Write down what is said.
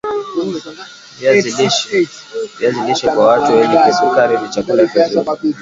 viazi lishe kwa watu wenye kisukari ni chakula kizuri